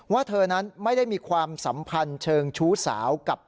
เธอนั้นไม่ได้มีความสัมพันธ์เชิงชู้สาวกับ